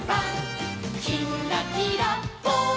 「きんらきらぽん」